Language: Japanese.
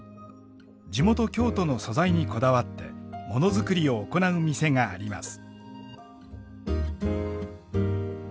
地元京都の素材にこだわってモノづくりを行う店があります。